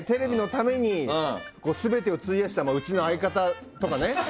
テレビに呼ばれてテレビのために全てを費やしたうちの相方とかね。